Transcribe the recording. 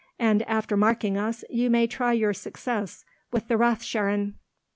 And, after marking us, you may try your success with the Rathsherrinn."